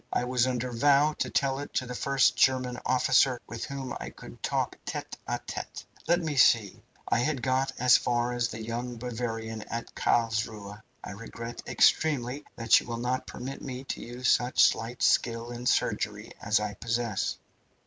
"I was under vow to tell it to the first German officer with whom I could talk tete a tete. Let me see, I had got as far as the young Bavarian at Carlsruhe. I regret extremely that you will not permit me to use such slight skill in surgery as I possess.